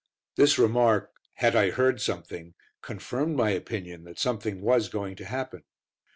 This remark, "Had I heard something?" confirmed my opinion that something was going to happen.